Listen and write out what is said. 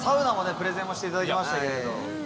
プレゼンをしていただきましたけれど。